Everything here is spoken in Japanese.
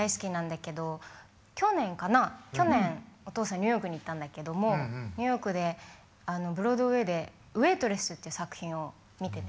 ニューヨークに行ったんだけどもニューヨークでブロードウェイで「ウェイトレス」って作品を見てね。